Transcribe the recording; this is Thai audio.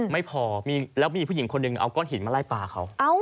ไม่พอแล้วมีผู้หญิงคนหนึ่งเอาก้อนหินมาไล่ปลาเขา